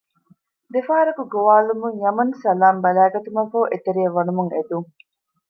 ދެފަހަރަކު ގޮވާލުމުން ޔަމަން ސަލާމް ބަލައިގަތުމަށް ފަހު އެތެރެއަށް ވަނުމަށް އެދުން